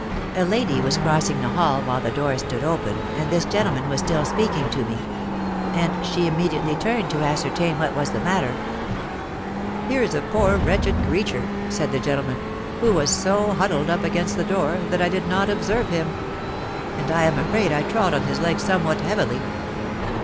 A lady was crossing the hall while the door stood open and this gentleman was still speaking to me; and she immediately turned to ascertain what was the matter. 'Here's a poor, wretched creature,' said the gentleman, 'who was so huddled up against the door, that I did not observe him; and I am afraid I trod on his leg somewhat heavily.'